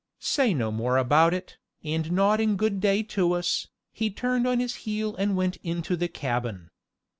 Say no more about it," and nodding good day to us, he turned on his heel and went into the cabin.